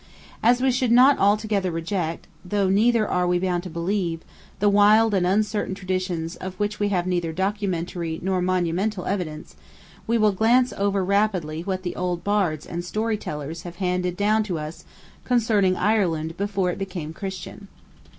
As we should not altogether reject, though neither are we bound to believe, the wild and uncertain traditions of which we have neither documentary nor monumental evidence, we will glance over rapidly what the old Bards and Story tellers have handed down to us concerning Ireland before it became Christian.